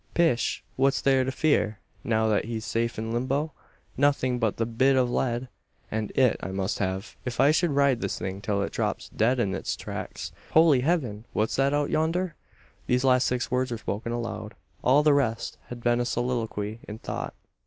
"Pish! what's there to fear now that he's safe in limbo? Nothing but the bit of lead; and it I must have, if I should ride this thing till it drops dead in its tracks. Holy Heaven! what's that out yonder?" These last six words were spoken aloud. All the rest had been a soliloquy in thought.